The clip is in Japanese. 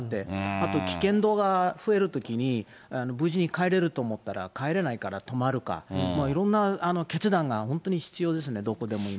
あと危険度が増えるときに、無事に帰れると思ったら帰れないから泊まるか、いろんな決断が、本当に必要ですね、どこでも、今。